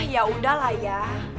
ya udahlah ya